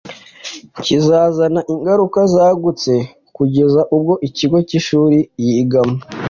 kizazana ingaruka zagutse kugeza ubwo ikigo cy’ishuri yigamo